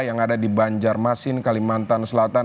yang ada di banjarmasin kalimantan selatan